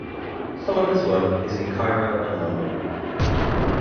Some of his work is in Cairo and London.